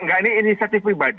enggak ini inisiatif pribadi